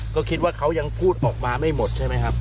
ก็คิดว่าเขายังพูดออกมาไม่หมดใช่ไหมครับ